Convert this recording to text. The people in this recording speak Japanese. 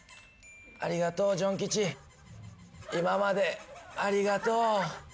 ありがとうジュンキチ今までありがとう。